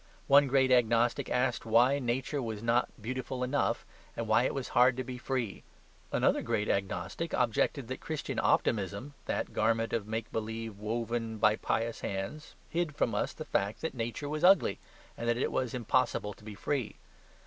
One great agnostic asked why Nature was not beautiful enough, and why it was hard to be free. Another great agnostic objected that Christian optimism, "the garment of make believe woven by pious hands," hid from us the fact that Nature was ugly, and that it was impossible to be free.